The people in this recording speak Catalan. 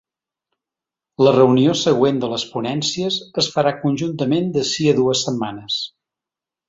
La reunió següent de les ponències es farà conjuntament d’ací a dues setmanes.